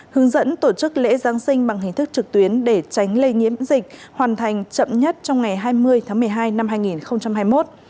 hướng dẫn tổ chức lễ giáng sinh bằng hình thức trực tuyến để tránh lây nhiễm dịch hoàn thành chậm nhất trong ngày hai mươi tháng một mươi hai năm hai nghìn hai mươi một